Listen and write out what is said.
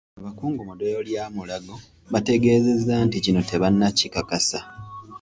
Abakungu mu ddwaliro lya Mulago bategeezezza nti kino tebannakikakasa.